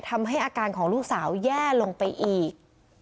ทำให้อาการของลูกสาวแย่ลงไปอีก